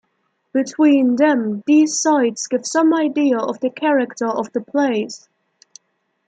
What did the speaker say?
Between them, these sites give some idea of the character of the place.